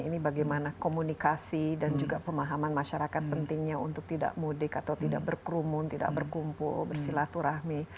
ini bagaimana komunikasi dan juga pemahaman masyarakat pentingnya untuk tidak mudik atau tidak berkerumun tidak berkumpul bersilaturahmi